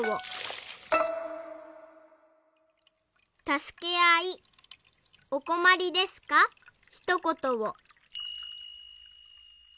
「たすけあいおこまりですかひとことを」。